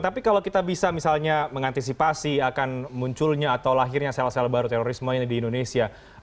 tapi kalau kita bisa misalnya mengantisipasi akan munculnya atau lahirnya sel sel baru terorisme ini di indonesia